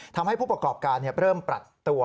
ทำให้ผู้ประกอบการเริ่มปรับตัว